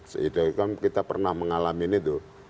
kita kan pernah mengalami ini tuh